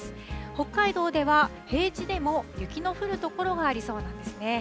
北海道では平地でも雪の降るところがありそうなんですね。